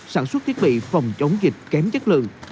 sản xuất thiết bị phòng chống dịch kém chất lượng